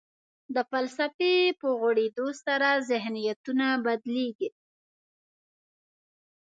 د فلسفې په غوړېدو سره ذهنیتونه بدلېږي.